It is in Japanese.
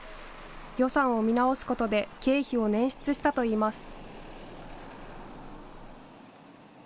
予算を見直すことで経費を捻出したといいます。